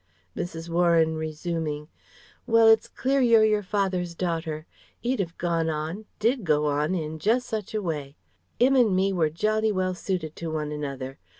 Mrs. Warren resuming: "Well it's clear you're your father's daughter. 'E'd 'ave gone on did go on in just such a way. 'Im and me were jolly well suited to one another.